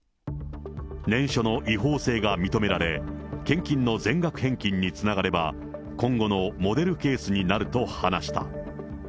念書の違法性が認められ、献金の全額返金につながれば、今後のモデルケースになると話した。